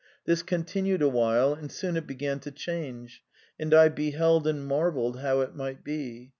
This continued awhile, and soon it began to change, and I beheld and marvelled how it might be.